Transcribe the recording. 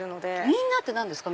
みんなって何ですか？